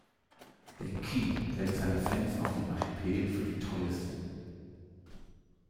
Der KÍ hält seine Fans auf dem Archipel für die treuesten.